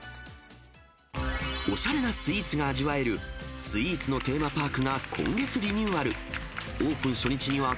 おしゃれなスイーツが味わえる、スイーツのテーマパークが、今月リニューアル。